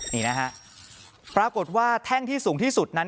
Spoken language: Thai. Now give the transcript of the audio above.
นี่นะฮะปรากฏว่าแท่งที่สูงที่สุดนั้น